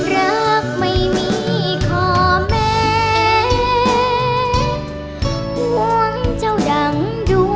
รักไม่มีขอแม่หวังเจ้าดั่งดวงใจ